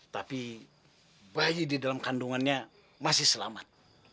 tapi bayi di dalam kandungannya masih selamat